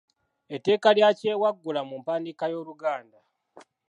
Etteeka lya kyewaggula mu mpandiika y’Oluganda